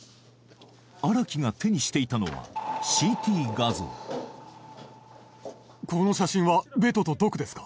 荒木が手にしていたのはこの写真はベトとドクですか？